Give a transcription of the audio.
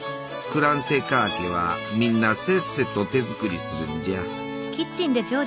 クランセカーケはみんなせっせと手作りするんじゃ。